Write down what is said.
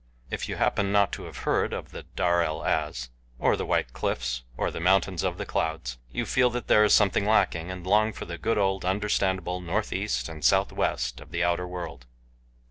If you happen not to have heard of the Darel Az, or the white cliffs, or the Mountains of the Clouds you feel that there is something lacking, and long for the good old understandable northeast and southwest of the outer world.